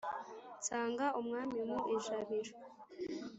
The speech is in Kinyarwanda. nsanga umwami mu ijabiro